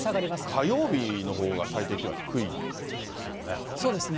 火曜日のほうが最低気温は低いんですよね。